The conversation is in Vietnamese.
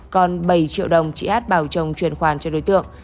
còn bảy triệu đồng chị hát bảo chồng truyền khoản cho đối tượng